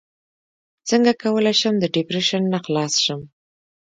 څنګه کولی شم د ډیپریشن نه خلاص شم